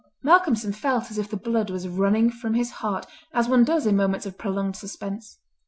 Malcolmson felt as if the blood was running from his heart, as one does in moments of prolonged suspense.